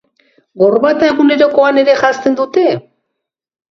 Gorbata egunerokoan ere janzten dute?